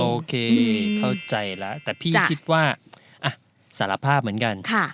โอเคเข้าใจแล้วแต่พี่คิดว่าสารภาพเหมือนกัน